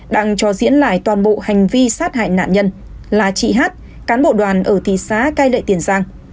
đang cho diễn lại toàn bộ hành vi sát hại nạn nhân là chị hát cán bộ đoàn ở thị xã cai lệ tiền giang